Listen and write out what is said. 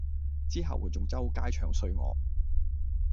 之後佢仲周街唱衰我